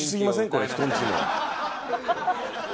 これ人んちの。